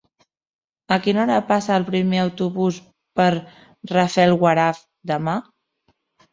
A quina hora passa el primer autobús per Rafelguaraf demà?